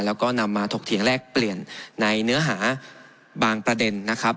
แล้วก็นำมาถกเถียงแลกเปลี่ยนในเนื้อหาบางประเด็นนะครับ